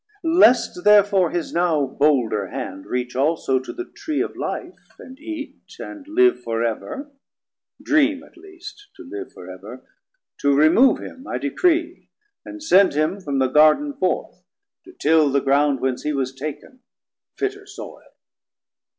Least therefore his now bolder hand Reach also of the Tree of Life, and eat, And live for ever, dream at least to live Forever, to remove him I decree, And send him from the Garden forth to Till The Ground whence he was taken, fitter soile.